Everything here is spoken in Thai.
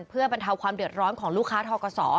เพื่อบรรเทาความเดือดร้อนของลูกค้าทกศ